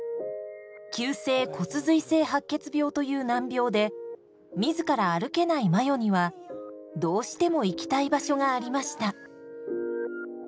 急性骨髄性白血病という難病で自ら歩けない真与にはどうしても行きたい場所がありました。